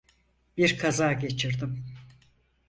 Bir kaza geçirdim.